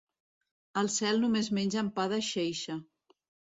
Al cel només mengen pa de xeixa.